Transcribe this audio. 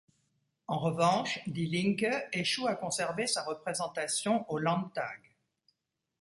En revanche, Die Linke échoue à conserver sa représentation au Landtag.